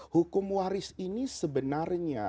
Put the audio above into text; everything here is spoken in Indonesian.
hukum waris ini sebenarnya